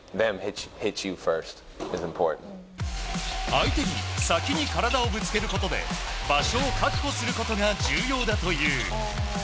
相手に先に体をぶつけることで場所を確保することが重要だという。